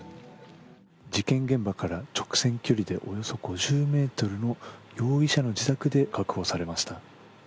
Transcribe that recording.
事件現場から直線距離でおよそ５０ｍの容疑者の自宅で確保されました。